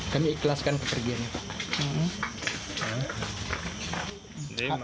kami ikhlaskan kepergiannya pak